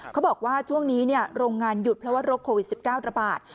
เขาบอกว่าช่วงนี้โรงงานหยุดเพราะว่าโรคโควิด๑๙ระบาด